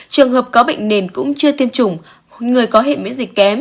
trường hợp có bệnh nền cũng chưa tiêm chủng người có hệ miễn dịch kém